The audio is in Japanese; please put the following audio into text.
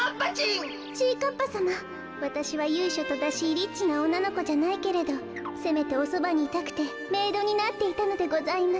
リッチなおんなのこじゃないけどせめておそばにいたくてメイドになっていたのでございます。